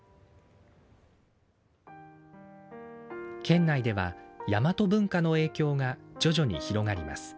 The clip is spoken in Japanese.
県内では大和文化の影響が徐々に広がります。